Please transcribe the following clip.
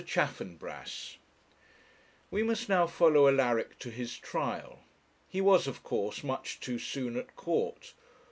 CHAFFANBRASS We must now follow Alaric to his trial. He was, of course, much too soon at court.